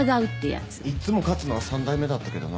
いっつも勝つのは三代目だったけどな。